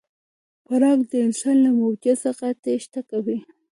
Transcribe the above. پړانګ د انسان له موجودیت څخه تېښته کوي.